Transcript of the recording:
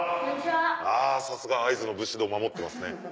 あさすが会津の武士道守ってますね。